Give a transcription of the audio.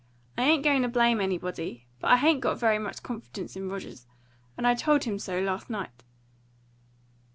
I ain't going to blame anybody, but I hain't got very much confidence in Rogers. And I told him so last night."